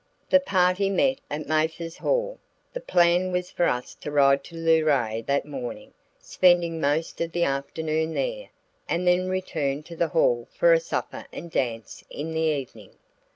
The party met at Mathers Hall. The plan was for us to ride to Luray that morning, spend most of the afternoon there, and then return to the Hall for a supper and dance in the evening.